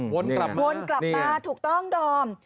วนกลับมาถูกต้องดอม